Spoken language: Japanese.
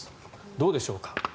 どうでしょうか。